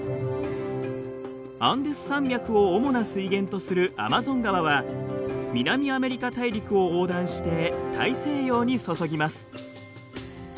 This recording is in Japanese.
アンデス山脈を主な水源とするアマゾン川は南アメリカ大陸を横断して大西洋に注ぎます。